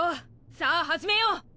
さあ始めよう！